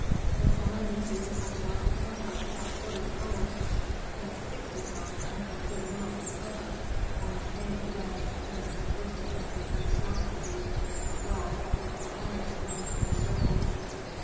The solemnity had brought the temple about forty talents, but sixty talents had been given out in presents or in paying the debts of various persons of the aristocracy as well as of the highest military circles.